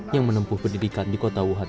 yang menempuh pendidikan di kota wuhan